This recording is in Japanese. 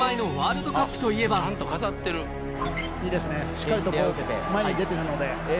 しっかりと前に出てるので。